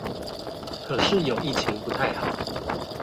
可是有疫情不太好